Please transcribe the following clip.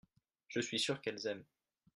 Je suis sûr qu’elles aiment.